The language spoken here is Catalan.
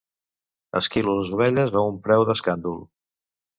Esquilo les ovelles a un preu d'escàndol.